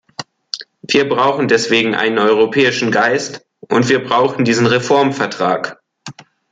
Wir brauchen deswegen einen europäischen Geist, und wir brauchen diesen Reformvertrag!